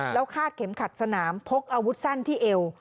แล้วคาดเข็มขัดสนามพกอาวุธสั้นที่เอว